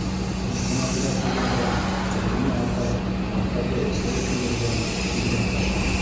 Холҡона тура килгәндә, Хәкимә апай аттарҙы эсереп килергә беҙгә ҡуша.